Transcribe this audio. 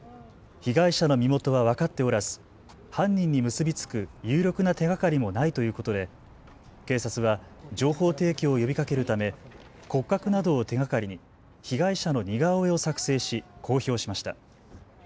被害者の身元は分かっておらず犯人に結び付く有力な手がかりもないということで警察は情報提供を呼びかけるため骨格などを手がかりに被害者の似顔絵を作成し、公表しました。